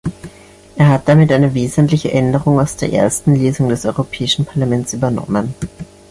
Er hat damit eine wesentliche Änderung aus der ersten Lesung des Europäischen Parlaments übernommen.